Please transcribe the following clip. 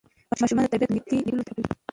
ماشومان د طبیعت له نږدې لیدلو زده کړه کوي